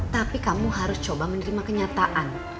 tapi kamu harus coba menerima kenyataan